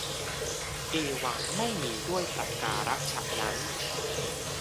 เอวัง ไม่มีด้วยประการฉะนั้น